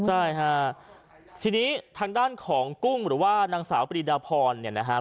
ใช่ฮะทีนี้ทางด้านของกุ้งหรือว่านางสาวปรีดาพรเนี่ยนะครับ